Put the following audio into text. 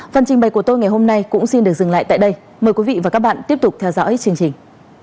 phần trình bày của tôi ngày hôm nay cũng xin được dừng lại tại đây mời quý vị và các bạn tiếp tục theo dõi chương trình